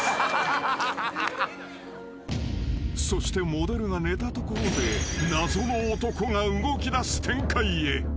［そしてモデルが寝たところで謎の男が動きだす展開へ］